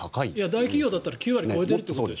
大企業だったら９割を超えている。